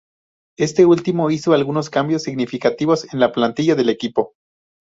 Este último hizo algunos cambios significativos en la plantilla del equipo.